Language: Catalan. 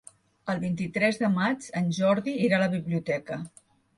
El vint-i-tres de maig en Jordi irà a la biblioteca.